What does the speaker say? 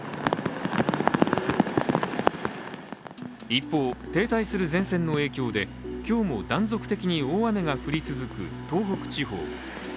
一方、停滞する前線の影響で、今日も断続的に大雨が降り続く東北地方。